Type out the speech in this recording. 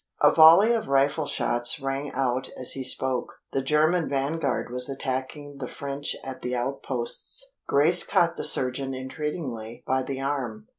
A volley of rifle shots rang out as he spoke. The German vanguard was attacking the French at the outposts. Grace caught the surgeon entreatingly by the arm.